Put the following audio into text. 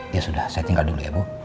ya sudah saya tinggal dulu ya bu